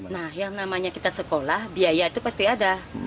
nah yang namanya kita sekolah biaya itu pasti ada